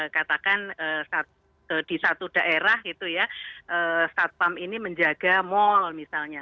katakan di satu daerah gitu ya satpam ini menjaga mal misalnya